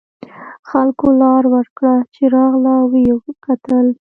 خلکو لار ورکړه چې راغله و یې کتل.